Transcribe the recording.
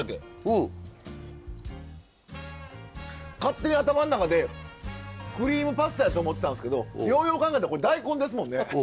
勝手に頭ん中でクリームパスタやって思ってたんですけどようよう考えたらこれ大根ですもんね。